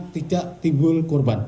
tidak timbul korban